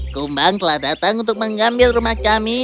kumbang telah datang untuk mengambil rumah kami